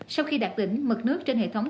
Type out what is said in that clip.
sau khi đạt đỉnh mực nước trên hệ thống